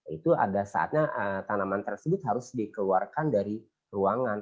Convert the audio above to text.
itu ada saatnya tanaman tersebut harus dikeluarkan dari ruangan